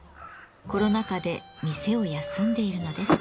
コロナ禍で店を休んでいるのです。